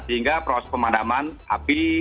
sehingga proses pemadaman api